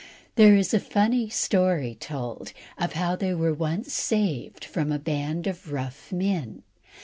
There is a funny story told of how they were once saved from a band of rough men.